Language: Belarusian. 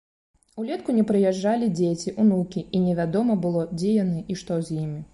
Улетку не прыязджалі дзеці, унукі, і невядома было, дзе яны і што з імі.